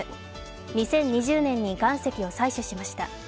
２０２０年に岩石を採取しました。